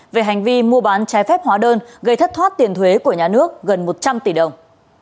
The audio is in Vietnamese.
về hành vi mua bán trái phép hóa đơn gây thất thoát tiền thuế của nhà nước gần một trăm linh tỷ đồng